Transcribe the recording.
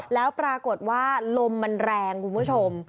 แล้วปรากฏว่าลมมันแรงคุณผู้ชม